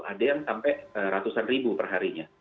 ada yang sampai ratusan ribu perharinya